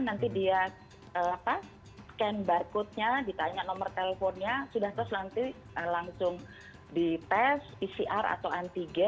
nanti dia scan barcode nya ditanya nomor teleponnya sudah terus nanti langsung dites pcr atau antigen